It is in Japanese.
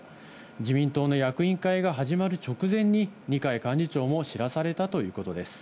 自民党の役員会が始まる直前に、二階幹事長も知らされたということです。